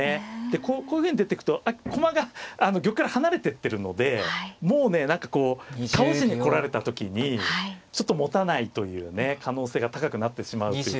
でこういうふうに出てくと駒が玉から離れてってるのでもうね何かこう倒しに来られた時にちょっともたないというね可能性が高くなってしまうということで。